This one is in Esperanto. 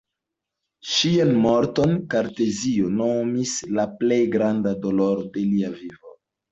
Ŝian morton Kartezio nomis la plej granda doloro de lia vivo.